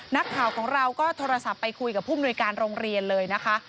นักข่าวของเราก็โทรศัพท์ไปคุยกับผู้มนุยการโรงเรียนเลยนะคะ